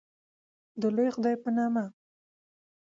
د لوی خدای په نامه